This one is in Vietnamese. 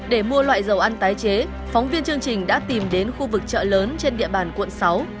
để mua loại dầu ăn tái chế phóng viên chương trình đã tìm đến khu vực chợ lớn trên đường